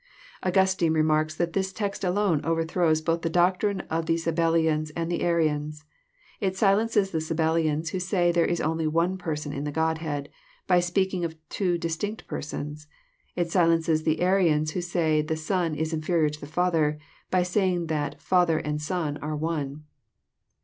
Augustine remarks that this text alone overthrows both the doctrine of the Sabellians and the Arians. It silences the Sabellians, who say there is only one Person in the Godhead, by speaking of two distinct Persons. It silences the Arians, who say the Son is inferior to the Father, by saying that Father and Son are " one."